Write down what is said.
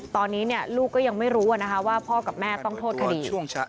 ตอนนี้ลูกก็ยังไม่รู้ว่าพ่อกับแม่ต้องโทษคดี